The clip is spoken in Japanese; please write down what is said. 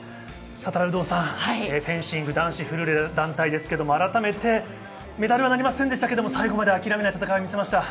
有働さん、フェンシング男子フルーレ団体ですけれど、あらためてメダルはなりませんでしたが最後まで諦めない戦いを見せました。